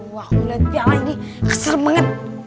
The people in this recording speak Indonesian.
wah gue lihat piala ini kesel banget